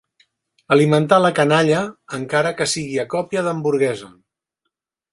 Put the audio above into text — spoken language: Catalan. Alimentar la canalla, encara que sigui a còpia d'hamburguesa.